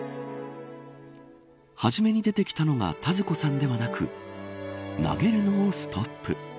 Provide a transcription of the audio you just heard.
初めに出てきたのが田鶴子さんではなく投げるのをストップ。